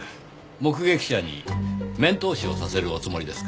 目撃者に面通しをさせるおつもりですか？